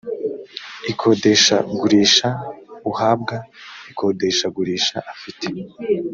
ikodeshagurisha uhabwa ikodeshagurisha afite